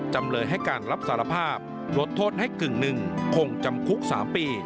จำเลยให้การรับสารภาพลดโทษให้กึ่งหนึ่งคงจำคุก๓ปี